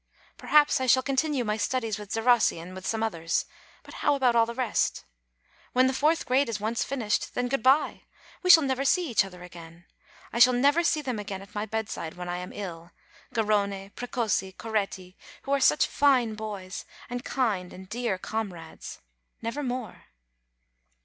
Perhaps I shall continue my studies with Derossi and with some others ; but how about all the rest? When the fourth grade is once finished, then good bye! we shall never see each other again : I shall never see them again at my bedside when I am ill, Garrone, Precossi, Coretti, who FRIENDS AMONG WORKINGMEN 233 are such fine boys and kind and dear comrades, never more!